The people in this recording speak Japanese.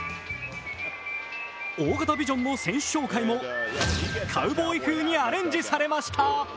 大型ビジョンの選手紹介もカウボーイ風にアレンジされました。